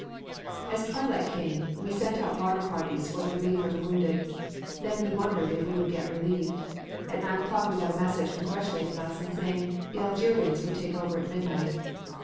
As twilight came, we sent out water parties for the relief of the wounded. Then we wondered if we would get relieved. At 9 o'clock we got a message congratulating us and saying the Algerians would take over at midnight.